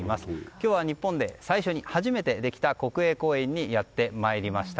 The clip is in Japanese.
今日は日本で初めてできた国営公園にやってまいりました。